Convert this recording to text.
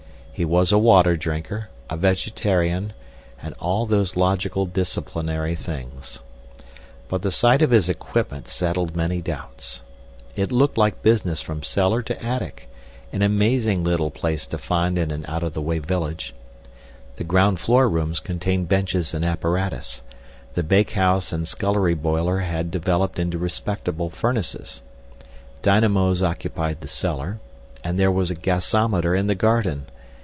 He was a water drinker, a vegetarian, and all those logical disciplinary things. But the sight of his equipment settled many doubts. It looked like business from cellar to attic—an amazing little place to find in an out of the way village. The ground floor rooms contained benches and apparatus, the bakehouse and scullery boiler had developed into respectable furnaces, dynamos occupied the cellar, and there was a gasometer in the garden.